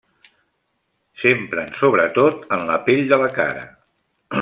S'empren sobretot en la pell de la cara.